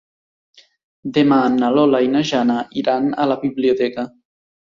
Demà na Lola i na Jana iran a la biblioteca.